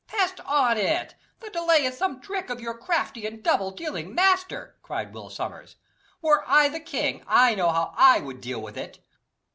"Pest on it! the delay is some trick of your crafty and double dealing master," cried Will Sommers. "Were I the king, I know how I would deal with him."